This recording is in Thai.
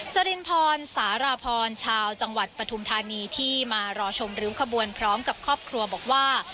จรินพรสารพรชาวจังหวัดปฐุมธานีที่มารอชมริ้วขบวนพร้อมกับครอบครัวบอกว่า